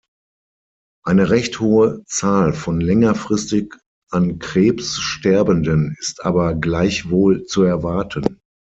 Eine recht hohe Zahl von längerfristig an Krebs Sterbenden ist aber gleichwohl zu erwarten.